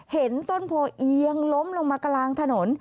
เห็นต้นโพเอียงล้มลงมากลางถนน